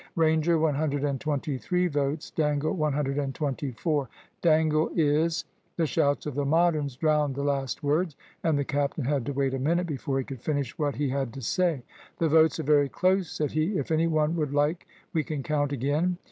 "Ranger one hundred and twenty three votes, Dangle one hundred and twenty four. Dangle is " The shouts of the Moderns drowned the last words, and the captain had to wait a minute before he could finish what he had to say. "The votes are very close," said he. "If any one would like, we can count again."